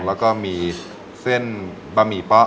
แล้วก็มีเส้นบะหมี่เป๊ะ